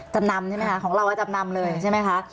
จำนำใช่ไหมคะของเราจำนำเลยใช่ไหมคะ